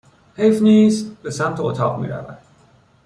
حیف نیس؟ به سمت اتاق می رود